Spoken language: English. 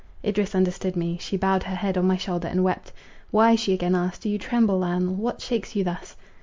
Idris understood me: she bowed her head on my shoulder and wept. "Why," she again asked, "do you tremble, Lionel, what shakes you thus?"